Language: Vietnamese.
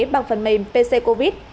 bằng phần mềm pc covid